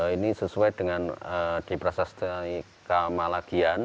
ini sesuai dengan di prasasti kamalagian